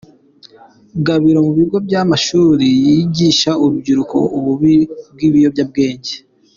Gabiro mu bigo by'amashuri yigisha urubyiruko ububi bw'ibiyobyabwenge.